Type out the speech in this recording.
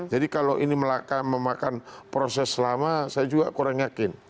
jadi kalau ini memakan proses lama saya juga kurang yakin